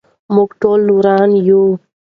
موږ ټول ورونه یو.